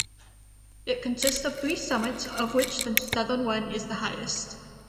It consists of three summits of which the southern one is the highest.